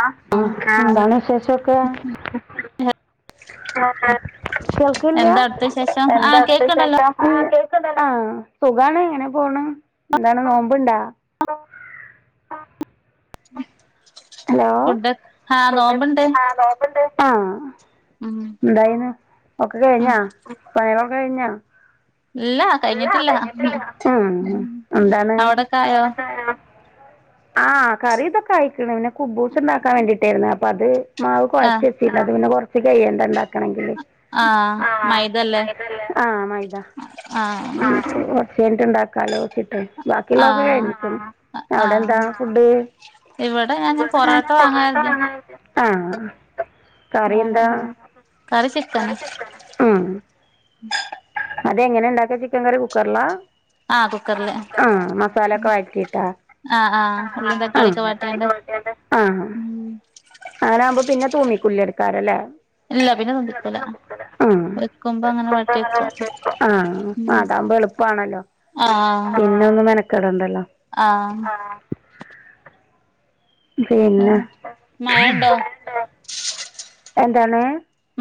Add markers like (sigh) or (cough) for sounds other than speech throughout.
ആ എന്താണ് വിശേഷക്കെ ആ കേൾക്കില്ലയാ എന്താ അവിടുത്തെ വിശേഷം എന്താ ആഹ് അട് കേക്ക്ണ്ടല്ലോ വിശേഷം ആ സുഖാണ് ഇങ്ങനെ പോണ് എന്താണ് നോമ്പുണ്ടാ ഹലോ ഫുഡ് ആഹ് നോമ്പ്ണ്ട് ആ നോമ്പുണ്ട് ആ ഉം എന്തായിന്ന് ഒക്കെ ഉം കഴിഞ്ഞാ പണിമൊക്കെ കഴിഞ്ഞോ ഇല്ല കഴിഞ്ഞിട്ടില്ല ഉം കഴിഞ്ഞില്ല ഉം ന്താണ് അവിടൊക്കായോ ആ കറി ഇതൊക്കെ ആയിക്കണ് കുബൂസ് ഉണ്ടാക്കാൻ വേണ്ടിട്ടായിരുന്നു അപ്പ അത് മാവ് കുഴച്ച ആഹ് വച്ചിട്ട അത് പിന്നെ കൊറച്ച് കയ്യേണ്ടാക്ക ക്കണങ്കില് ആ മൈദല്ലേ ആ മൈദ ആഹ് ആ കുറച്ച് കഴിഞ്ഞിട്ട് ഇണ്ടാക്കാലോ ബാക്കിയുള്ളോക്കെ ആഹ് ആ ആ അവിടെ ആഹ് എന്താ ഫുഡ് ഇവിടെ ഞാൻ പൊറോട്ട വാങ്ങാരുന്നയാ ആ കറി എന്താ കറി ചിക്കൻ ഉം അത് എങ്ങനെ ഇണ്ടാക്ക ചിക്കൻ കറി കുക്കറിലാ ആഹ് കുക്കറില് ആ മസാല ഒക്കെ വഴറ്റിട്ടാ ആഹ് ആ ആഹ് ഉള്ളിം ആ തക്കാളിയൊക്കെ ചിക്കൻ കറി വാട്ടിയാണ്ട് വയ്ക്കാണ്ട് ആ ഉം ആങ്ങനാവുമ്പം പിന്നെ തോന്നിക്കൂല എടുക്കാറല്ലേ ഇല്ല പിന്നെ തോന്നിക്കൂല വെക്കുമ്പോ അങ്ങനെ വെക്കും ഉം ആ അതാകുമ്പോ എളുപ്പമാണല്ലോ പിന്നെ ഒന്ന് മെനക്കെടണ്ടല്ലോ ആ പിന്നെ ആഹ് മഴണ്ടോ (unintelligible) എന്താണ്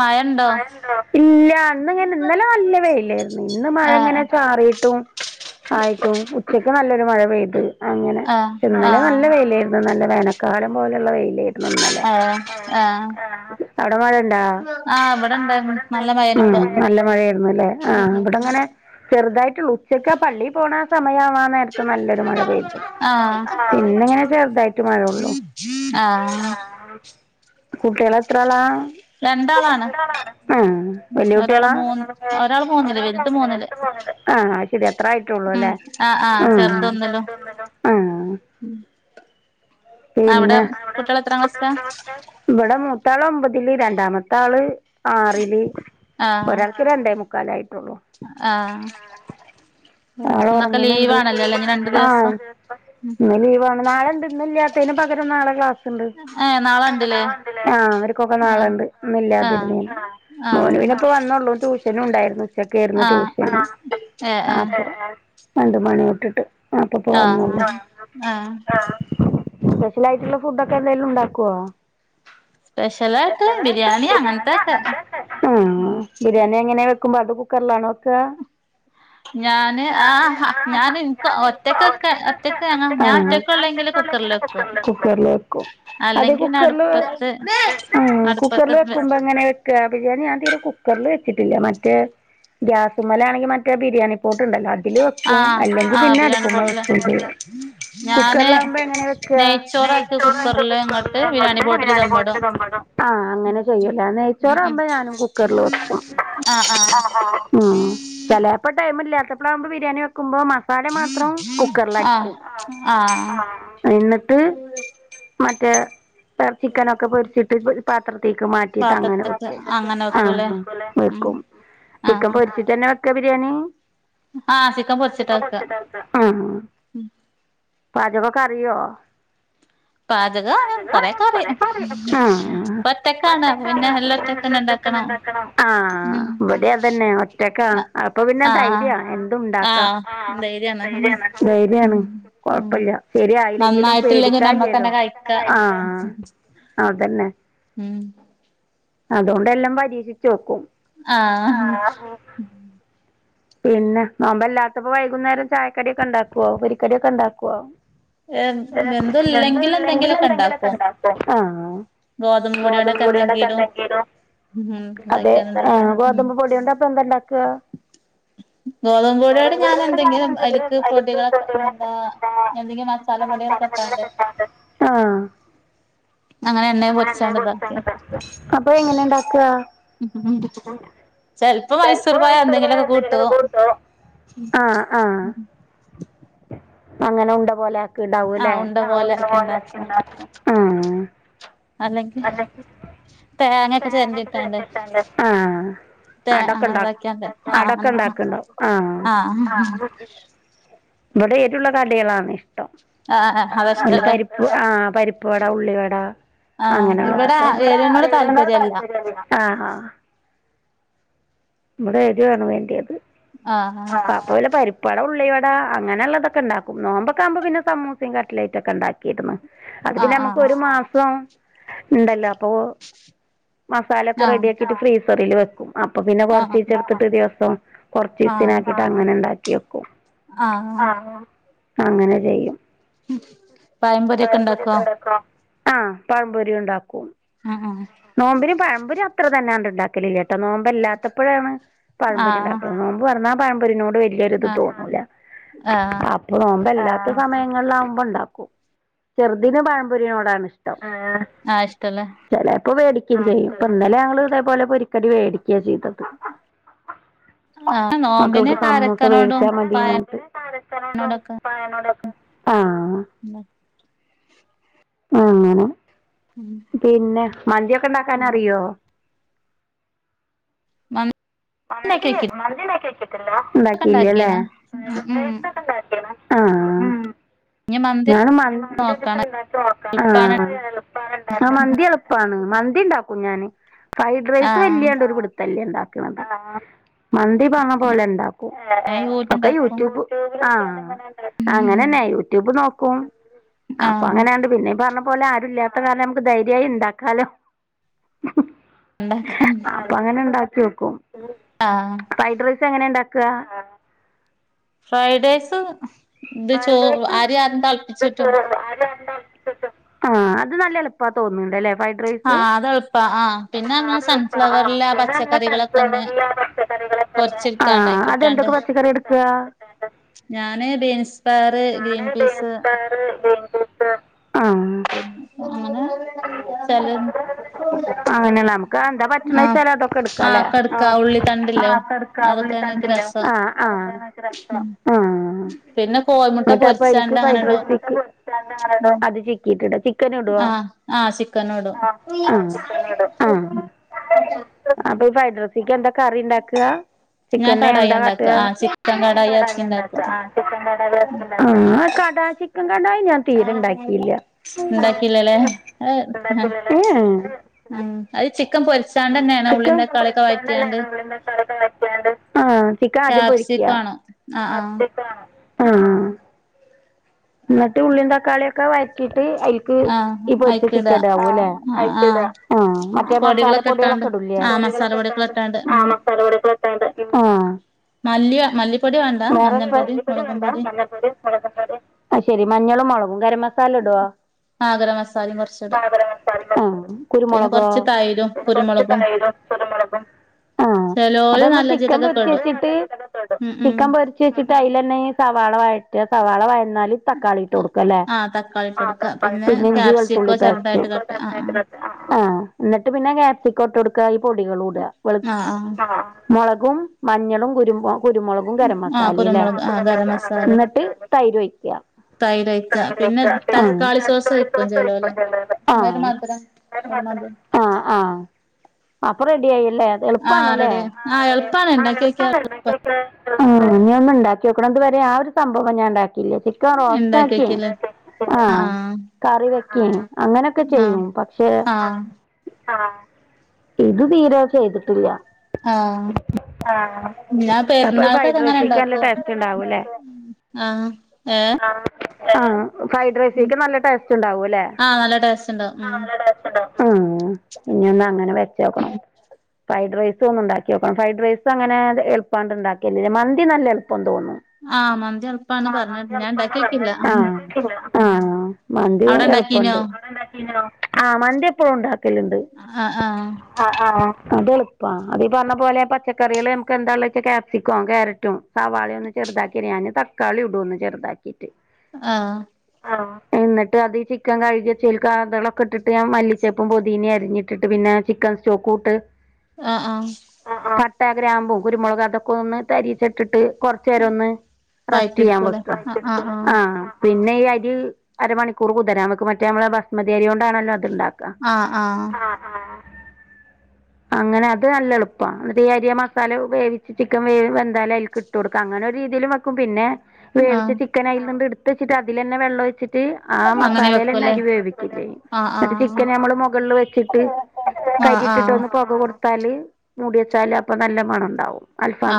മഴണ്ടോ മഴ ഇണ്ടോ ഇല്ല ഇന്ന്ങ്ങനെ ഇന്നലെ നല്ല വെയിലായിരുന്നു ഇന്ന് മഴ ആഹ് ഇങ്ങനെ ചാറിയിട്ടും ആയിട്ടും ഉച്ചക്ക് നല്ലൊരു മഴ പെയ്ത് അങ്ങനെ ആഹ് ഇന്നലെ ആഹ് നല്ല വെയിലായിരുന്നു നല്ല വേനക്കാലം പോലെയുള്ള വെയിലായിരുന്നു ഇന്നലെ ആഹ് ആഹ് അവിടെ മഴ ഇണ്ടോ ആഹ് ഇവിടെണ്ടായിരുന്നു ഇവിടെ നല്ല മഴേനി ഇപ്പൊ ഇണ്ടായിരുന്നു നല്ല മഴ ആയിരുന്നു അല്ലേ ആ ഇവിടെ ഇങ്ങനെ ചെറുതായിട്ടു ഉച്ച ക്ക് ആ പള്ളി പോണ സമയവാ നേരത്ത് നല്ലൊരു മഴ പെയ്ത് പിന്ന് ഇങ്ങനെ ചെറുതായിട്ട് മഴ ആ കുട്ടികള് എത്രാളാ രണ്ടാളാണ് ഉം വലിയ കുട്ടികളാ ഒരാള് മൂന്നില് വലുത് മൂന്നില് ആആ ശരി അത്രായിട്ടള്ളൂ ഉം അല്ലേ ആഹ് ആഹ് ആ ആ ചെറുത് ചേർത് ഒന്നിലും അവിടെ പിന്നെ കുട്ടികൾ എത്രാം ക്ലാസ്സിലാ ഇവിടെ മൂ (unintelligible) മൂത്താള് ഒമ്പതില് രണ്ടാമത്തെ ആള് ആറില് ആഹ് ഒരാൾക്ക് രണ്ടേ മുക്കാലായിട്ടുള്ളൂ ആഹ് ആ നള ഇന്നൊക്കെ ഉറങ്ങുന്നുണ്ട് ലീവാണല്ലോല്ലേ ഇനി രണ്ടു ആ ദിവസം ഇന്ന് ലീവാണ് നാളെ ണ്ട് ഇല്ലത്തന് പകരം നാളെ ക്ലാസ്ണ്ട് ഏഹ് നാളെ ഇണ്ട്ല്ലേ ആ അവർക്കൊക്കെ നാളെ ആഹ് ഉണ്ട് ആഹ് ഇല്ലാതിരുന്ന്നു ആഹ് മോനുനപ്പ വന്നൂ ഉണ്ടായിരുന്നു ഉച്ചക്കായിരുന്നു ആഹ് ടൂഷൻ ഏഹ് ഏഹ് അപ്പൊ രണ്ട് മണി തൊട്ടിട്ട് ആ അപ്പൊ ആഹ് വന്നോള്ള ആഹ് സ്പെഷ്യൽ ആയിട്ടുള്ള ഫുഡ് ഒക്കെ എന്തെിലും ഉണ്ടാക്കുവോ സ്പെഷ്യലയിട്ട് ബിരിയാണി അങ്ങനത്തൊക്കെ ഉം ബിരിയാണി എങ്ങനെ വെക്കുമ്പോ അത് കുക്കറിലാണോ വെക്കാ ഞാന് ആ ഞൻ ഒറ്റക്കൊക്കെ ഒറ്റക്ക് ഞാൻ ഒറ്റക്ക് ഉള്ളെങ്കില് കുക്കറകുക്കറിൽ കുക്കറില് വെക്കും അത് പിന്നെ കുക്കറില് അടുപ്പത്ത് അടുപ്പത്ത് കുക്കറിൽ വെക്കുമ്പോ അങ്ങനെ വെക്കാ ബിരിയാണി ഞൻ തീരെ കുക്കറിൽ വെച്ചിട്ടില്ല മറ്റേ ഗ്യാസുമല ആണെങ്കിൽ മറ്റേ ബിരിയാണി പോട്ട്ണ്ടല്ലോ വെക്കും ആഹ് അല്ലെങ്കിൽ ആഹ് പിന്നെ ബിരിയാണി അടുപ്പമ പോട്ടില് വെക്കും ഞാന് കുക്കറിലാകുമ്പോ എങ്ങനെ വെക്കാ നെയ്ച്ചോറാക്കി നെയ്ച്ചോറ് കുക്കറില് ഇങ്ങട്ട് എന്നിട്ട് പോട്ടില് ബിരിയാണി ദമ്മിടും പോട്ടിലെ ആ അങ്ങനെ ചെയ്യൂലേ നെയ്ച്ചോറ ഉം ഉം ആവുമ്പോ ഞാനും കുക്കറൽ വെക്കും ആഹ് ആ ആ ആഹ് ഉം ചിലപ്പോ ടൈം ഇല്ലാത്തപ്പഴാവവുമ്പോ ബിരിയാണി വെക്കുമ്പോ മാസാല മാത്രം കുക്കറൽടിക്കും ആഹ് ആഹ് എന്നിട്ട് മറ്റേ ചിക്കനൊക്കെ പൊരിച്ചിട്ട് (unintelligible) പാത്രത്തേക്ക് മാറ്റിയിട്ട് അങ്ങനെ പാത്രത്ത്ക്ക് അങ്ങനെ വെക്കൂലേ ഉം ആക്കും ചിക്കൻ ആഹ് പൊരിച്ചിട്ട തന്നെ വെക്ക ബിരിയാണി ആഹ് ആ പൊരിച്ചിട്ടാ ചിക്കൻ വെക്കാ പൊരിച്ചിട്ടെന്നെ ആ പാചകം കറിയോ പാചകം കൊറെയൊക്കെ അറിയും ആഒറ്റ ഒറ്റക്കാണ് കണ് പിന്നെ അപ്പൊ എല്ലാം പിന്നെ ഒറ്റക്കന്നെ ഒറ്റക്കാണെ ഇണ്ടാക്കണം ഉണ്ടാകണം ആ ഉം ഇവിടെ അതന്നെ ഒറ്റക്ക് അപ്പൊ പിന്നെ ആഹ് ധൈര്യാണ് എന്തു ഉണ്ടാക്കാ ആഹ് ധൈര്യാണ് ഉം ഉം ധൈര്യാണ് ഉം കൊഴപ്പില്ല ശരിയയില്ലെങ്കിലും നന്നായിട്ടില്ലെങ്കി പേടിക്കാേലല്ലോ നമ്മക്കന്നെ കഴിക്കാ ആ അതന്നെ ഉം അതുകൊണ്ട് എല്ലാം പരീക്ഷിച്ച് വെക്കും ആ പിന്നെ നോുമ്പല്ലാത്തപ്പോ വൈകുന്നേരം ചായക്കടൊക്കെ ഉണ്ടാക്കുവോ പുരിക്കടൊക്കെ ഉണ്ടാക്കുവോ എന്തും ഇല്ലെങ്കിലും എന്തുംല്ലെങ്കിലും എന്തെങ്കിലൊക്കെ എന്തെങ്കിലുക്കെ ഇണ്ടാക്കും ഉണ്ടാക്കും ഗോതമ്പ് തും പൊടിയോണ്ടൊക്കെ കൂടിയോടെ എന്തെങ്കിലും കെണ്ടാക്ക്യാലോ ഉം അതെ ഇണ്ടാക്കിയാണ്ട് ഇണ്ടാക്കും ഉം ഗോതമ്പ് പൊടോണ്ട് അപ്പൊ എന്താണ്ടാക്ക ഗോതമ്പ് പൊടിയോണ്ട് ഞാൻ എന്തെങ്കിലും അലക്ക് പൊടികളൊക്കെ എന്താ എന്തെങ്കിലും മസാല പൊടികളൊക്കെ ട്ടാണ്ട് ആഹ് അങ്ങനെ എന്നെ പൊരിച്ചാണ്ട് ഇതാക്കിയോ അപ്പൊ എങ്ങനെ ഉണ്ടാക്കുക ഉം ചെൽപ്പം ഇപ്പൊ മൈസൂർ പോയാ എന്തെങ്കിലുംക്കെ കൂട്ടു ആ ആ അങ്ങനെ ഉണ്ട പോലെക്കെ ഉണ്ടാവല്ലേ ആഹ് ഉണ്ട പോലെയൊക്കെ അല്ലെങ്കിൽ താനൊക്കെ തിട്ടണ്ട് തേ അടയൊക്ക അങ്ങനെ ഉണ്ട് ഇതാക്കിയാണ്ട് അട ആഹ് യൊക്ക അങ്ങനൊക്കെ ഉണ്ടാക്കണ്ടോ ആഹ് ആ ഇവിടെ ഏരുള്ള കടികളാണ് ആഹ് ആ പി പരിപ്പ് ആഹ് പരിപ്പ് വട ഉളളി വടാ ആഹ് ഇവിടെ അങ്ങനെയുള്ളതൊെര് എരിവിനോട് താല്പര്യല്ല ആ ഇവിടെ ഏരിയാണ് വേണ്ടിയത് ആഹ് അപ്പ വല്ല പരിപ്പടം ഉള്ളേ അങ്ങനെുള്ളള്ളതൊക്കെ ഉണ്ടാക്കും നോമ്പൊക്കെ ആുമ്പോ പിന്നെ സൂസയും കട്ടലറ്റും ഒക്കെ ഉണ്ടാക്കിയിരുന്നു അത് പിന്നെ ആഹ് നമുക്ക് ആഹ് ഒരു മാസം ഉണ്ടല്ലോ അപ്പോ മസാലൊക്കെ ആഹ് റെഡിയാക്കീറ്റ് ഫ്രീസറില് വെക്കും അപ്പൊ പിന്നെ ആഹ് കൊറചീച്ചേ എടുത്തിട്ട് ദിവസം കൊറച്ചീസത്തിനാക്കിട്ട് അങ്ങനെ ണ്ടാക്കി വെക്കും ആഹാ അങ്ങനെ ചെയ്യും. ഉം പയമ്പൊരിക്കൊ ഇണ്ടാക്കോ? ആഹ പഴംപൊരി ഉണ്ടാക്കും. ആഹ് നോമ്പിനും പഴമ്പിനും അത്ര തന്നെണ്ട് ഇണ്ടാക്കലില്ല നോമ്പല്ലാത്തപ്പോഴാണ് ആഹ് പഴംമ്പൊരി ആഹ് ഉണ്ടാക്കുന്ന നോമ്പ് തൊറന്നാ പഴമ്പൊരിനോട് വലിയൊരുത് തോന്നൂല ആഹ് അപ്പൊ നോമ്പല്ലാത്ത സമയങ്ങളിലാവുമ്പോണ്ട (unintelligible) ചെറുതിന് പഴംപൊരിയോടാണ് ഇഷ്ടം ആഹ് ഇഷ്ടല്ല ഇപ്പൊ വേടിക്കയും ചെയ്യും ഇപ്പൊ ഇന്നലെ ഞങ്ങ ഇതേപോലെ പൊരിക്കടി വേടിക്കാ ചെയ്തത് ആഹ് നോമ്പിന് മക്കൾക്ക് സമൂസ കാരക്കനോടും മേടിച്ചാ മതിന്ന്ട്ട് (unintelligible) ആഹ് ന്നാ അങ്ങനെ പിന്നെ മന്തിയോകെ ണ്ടാക്കാനറിയോ മന് മന്തി മന്തിണ്ടാകി ക്കെണ്ടാകിണ് മ് മ് ആ മന്തി ഞാനും ആ നോക്കണം എളുപ്പാണ് മന്തി എളുപ്പാണ് മന്തി ണ്ടാക്കും ഞാന് ഫ്രൈഡ് റൈസ് ആഹ് വല്യാണ്ട് പിടുത്തല്യ ഇണ്ടാക്കണത് മന്തി പമ പോലെ ണ്ടാക്കും ഞാൻ ഒക്കെ യൂട്യൂബിലുണ്ടാക്കും യൂട്യൂബ് (inaudible) ആഹ് അങ്ങനെന്നെ യൂട്യൂബ് നോക്കും അപ്പൊ ആഹ് അങ്ങനെണ്ട് പിന്നെ പറഞ്ഞ പോലെ ആരുല്ലാത്ത കാലം നമ്മക്ക് ധൈര്യായി ണ്ടാക്കാലോ ണ്ടാക്ക ക്കും ഫ്രൈഡ് റൈസ് എങ്ങനെ ണ്ടാക്വാ ഫ്രൈഡ് റൈസ് ത് ചോ അരി ആദ്യം തളിപിചൂറ്റും ആഹ അത് നല്ല എളുപ്പാ തോന്നുന്നണ്ടല്ലേ ഫ്രൈഡ്റൈസ് ആഹ് അത് എളുപ്പാ ആഹ് ആ പിന്നെ നമ്മള് അദെള്പാ സൺഫ്ലവറിലെ ആ പച്ചക്കറികളൊക്കെ ഒന്ന് സൺഫ്ളവർല് (inaudible) പൊരിച്ചെടുത്താണ്ട് ആഹ അയിക്കിട്ടാണ്ട് അതെന്തൊക്കെ പച്ചക്കറി എട്ക്കാ ഞാന് ബീൻസ് പയറ് ഞാന് ഗ്രീൻ പീസ് ബീൻസ് പയർ ഗ്രീൻ പീസ് അങ്ങനെ ചെല ആ അങ്ങനെ നമ്മക്ക് എന്താ ആഹ് പറ്റ്ണചാൽ അത് ഒകെ ഇട്കാ ലേ ആ ആഹ് കടുക്ക ഉള്ളി ഒക്കെട്കാ തണ്ടില്ലേ ആ അതൊക്കെ എനിക്ക് രസം ആ ആ ആ എന്നിട്ട് പിന്നെ കോഴിമുട്ട അപ്പ അക്ക് പൊരിച്ചാണ്ട് അങ്ങനെ ഇടും ഫ്റൈഡ്റൈസ് (inaudible) ചിക്കൻ ഇടുവോ? ആ ചിക്കൻ ഇടും ആ ആ കറീ ണ്ടാക്വാ ഞാൻ ചിക്കൻ എന്താ കടായിയാ ഇണ്ടാക്ക കാട്ടാ ആഹ് ചിക്കൻ ഞാൻ ആക്കി കടായി ണ്ടാകാ ഇണ്ടാക്കും ആ ചിക്കൻ കാടായി (unintelligible) ന്നാ കാട്ട് കടാ ചിക്കൻ കടായി ഞാൻ തീരെണ്ടാക്കീല്ല ഇണ്ടാക്കില്ലല്ലേ ണ്ടാകില്ല ലേ ഉം ഉം ഉം അത് ചിക്കൻ പൊരിച്ചാണ്ടെന്നാണ് ഉള്ളിം തക്കാളിം ക്കെ വയറ്റ്യാണ്ട് ആഹ ചിക്കൻ ആദ്യം പൊരിക്ക്യ ക്യാപ്സിക്കം ആണോ ആഹ് ആഹ് ആഹ് ന്നിട്ട് ഉള്ളിം തക്കാളിയൊകെ ഒക്കെ വയറ്റിട്ട് അയിക് ആഹ് ഈ പൊരിച അയിക്കിടാ ചിക്കൻ ടാ ലേ അയിക് ആഹ് ടാ മറ്റേ മസാല (inaudible) ഇട്ടാണ്ട് പൊടികളൊക്കെ ഇടൂലെ ആഹ് മസാല പൊടികളൊക്കെ പൊടികള് ഇട്ടാണ്ട് ഉം ആഹ് മസാല പൊടിയൊക്കെ ഇട്ടാണ്ട് ഉം ആഹ് മല്ല്യ മല്ലി വേണ്ട വേറെ മഞ്ഞൾപ്പൊടിയും മുളകും പൊടിയും ശെരി മഞ്ഞളും മുളകും കരമ മസാല എടൊ ആ ഗര മസാലയും കൊറച്ചിടും കുരുമുളകോ കൊര്ച്ച കുരുമുളകും കുരുമുളകും ആഹ അപ്പ ചെലോല് നമ്മ നല്ല ചിക്കൻ ജീരകൊക്കെ പൊരിച്ച ഇടും വെച്ചിട്ട് ഉം ഉം ചിക്കൻ പൊരിച്ച് വെച്ചിട്ട് അതിലന്നെ ഈ സവാള വയട്ട സവാള വ തക്കാളി ഇട്ട് കൊടുക്കാൻ ലേ ആ തക്കാളി ഇട്ട് കൊടുക്ക പിന്നെ ഇഞ്ചി വെളുത്തുള്ളി ക്യാപ്സിക്കോ പേസ്റ്റ് ചെറുതായിട്ട് കട്ട് ആ ആഹ എന്നിട്ട് പിന്നെ ഗപ്സിക്കോട്ട് കൊടുക്ക ഈ പൊടികളൂട ആ ആ ആ മുളകും മഞ്ഞളും കുരുമ കുരുമുള കരം ആ മസാലല്ലേ കുരുമുളക് ആ ഗരം മസാലയും എന്നിട്ട് തൈര് ഒയ്ക്ക തൈര് ഒഴിക്ക പിന്നെ കയിലേക്ക തക്കാളി സോസ് ഒഴിക്കും ദസ ചെലോല് ഇണ്ടല്ലത ആ ഒരു മധുരം ഒരു മധുരം അ അല്ലെ അത് ആ എളുപ്പണ്ല്ലേ റെഡി ആ എളുപ്പാണ് ഇണ്ടാക്കി നോക്കിയാ എളുപ്പ ഇനി ഒന്ന്ണ്ടാക്കിയോക്കണം എതു വരെ ആ ഒരു സംഭവം ഞാ ഉണ്ടാക്കി ചിക്കൻ റോസ്റ്റ് ഇണ്ടാക്കി ആക്കിയ നോക്കിയല്ലേ ആഹ ആ കറി വെക്ക അങ്ങനെയൊക്കെ ആ ചെയ്യും പക്ഷെ ആ ആ ഇത് തീരെ ചെയ്തിട്ടില്ല ആഹ ഞാൻ പ അപ്പൊ ഫൈഡ് റൈസക്ക് നല്ല ടെസ്റ്റ് ഉണ്ടാവല്ലേ ആഹ് ഏഹ് ആ ഫ്രൈഡ് റൈസക്ക നല്ല ടേസ്റ്റ് ഉണ്ടാവും അല്ലേ ആഹ് നല്ല ടേസ്റ്റ് ഉണ്ടാവും ഉം ആ ഇനി ഒന്ന് അങ്ങനെ വെച്ചോക്കണം ഫ്രൈഡ് റൈസ് ഉണ്ടാക്കി നോക്കണം ഫ്രൈഡ് റൈസ് അങ്ങന എളുപ്പമണ്ട്ണ്ടാക്കിയല്ല മന്തി നല്ല എുൾപ്പം തോന്നുന്നു ആഹ മന്തി എല്പ്പന്ന് പറഞ്ഞ് ഞാൻ ഉണ്ടാക്കിക്കില്ല ആഹ മന്തി ഇണ്ടാക്കീനോ എളുപ്പുണ്ട് ആഹ മന്തി എപ്പഴും ഉണ്ടാക്കലണ്ട് ആഹ് ആഹ് അത് എളുപ്പം അതീ പറഞ്ഞ പോലെ പച്ചക്കറികള് നമുക്ക് എന്താള്ളേച്ച ക്യാപ്‌സിക്കവും ക്യാരറ്റും സവാളിയ ഒന്നും ചെറുതാക്കി ഞാന് തക്കാളി ഇടും ഒന്ന് ചെറുതാക്കിയിട്ട് ആഹ എന്നിട്ട് അത് ഈ ചിക്കൻ കഴുകച്ചേൽക്ക അതളൊക്കെ ഇട്ടിട്ട് ഞാൻ മല്ലിച്ചേപ്പും പൊതീനെ അരിഞ്ഞിട്ടിട്ട് പിന്നെ ചിക്കൻ സ്റ്റോക്കൂട്ട് ആഹ ആഹ ഇ ഗ്രാമ്പും കുരുമുളക് അതൊക്കെ ഒന്ന് തരിച്ചിട്ടിട്ട് കൊറച്ചേരോന്ന് ഒന്ന് റസ്റ്റ് വായിക്ക് ചെയ്യാൻ എടുക്കൂല്ലേ വെക്ക ആഹ് ആഹ് ആ പിന്നെ ഈ അരി അരമണിക്കൂർ കുതിരം നമക്ക് മറ്റേ നമ്മള് ബസ്മതിയരിയ കൊണ്ടാണല്ലോ അത്ണ്ടാ ആഹ് ആഹ് ആഹ് ആഹ ആ അങ്ങനെ അത് നല്ല എളുപ്പമാണ് രിയ മസാല വേവിച്ച് ചിക്കൻ വെന്താലും അതിൽക്ക് ഇട്ടു കൊടുക്കാം അങ്ങനെ രീതിയിൽ വെക്കും പിന്നെ വേവിച്ച ചിക്കൻ അതിൽ നിണ്ട് എടുത്ത വച്ചിട്ട് അതിലന്നെ വെള്ളം ഒയിച്ചിട്ട് ആ ആഹ് അങ്ങനെ മസാലൽന്നെ വെക്കൂല്ലേ അരി വേവിക്കില്ലേ ആഹ് മറ്റേ ചിക്കൻ ഞമ്മള് മുകളിൽ വെച്ചിട്ട് ആ് ആഹ പ കൊടുത്താല് മൂടി വച്ചാല് അപ്പൊ നല്ല മണ ഉണ്ടാവും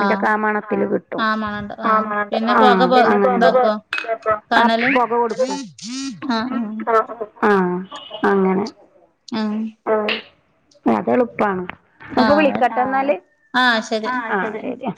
ആഹ് മണത്തിൽ കിട്ടും ആഹ് മണണ്ട് ആഹ് പിന്നെ പൊക പോ ഇതാക്കോ ആ കാണല് പുക കൊടുത്തു ആഹ് ആഹ് ആഹ അങ്ങനെ ആഹ അത എളുപ്പാണ് അപ്പൊ ആഹ് വിളിക്കാട്ടെ എന്നാല് ആഹ് ശരി ശരിയാ